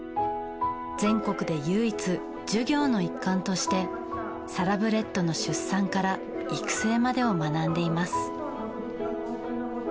全国で唯一授業の一環としてサラブレッドの出産から育成までを学んでいます。